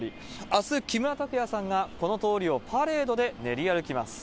あす、木村拓哉さんがこの通りをパレードで練り歩きます。